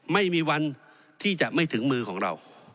ไม่มีวันที่จะไม่ถึงมือของเรา